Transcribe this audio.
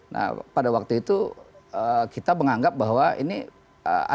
nah pada waktu itu kita menganggap bahwa ini ada